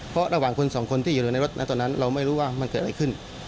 เพราะระหว่างคนสองคนที่อยู่ในรถนะตอนนั้นเราไม่รู้ว่ามันเกิดอะไรขึ้น